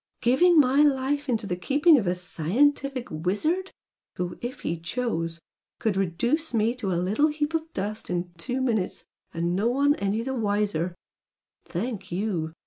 giving my life into the keeping of a scientific wizard who, if he chose, could reduce me to a little heap of dust in two minutes, and no one any the wiser! Thank you!